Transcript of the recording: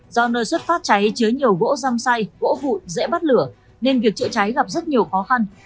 do nơi xuất phát cháy chứa nhiều gỗ răm say gỗ vụn dễ bắt lửa nên việc chữa cháy gặp rất nhiều khó khăn